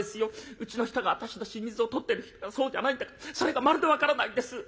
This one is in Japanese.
うちの人が私の死に水を取ってるそうじゃないんだかそれがまるで分からないんです」。